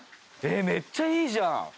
めっちゃいいじゃん！